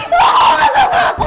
kamu bukan sama aku